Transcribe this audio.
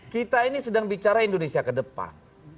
kita ini sedang bicara indonesia ke depan